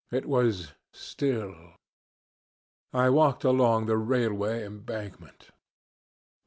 It was still. I walked along the railway embankment.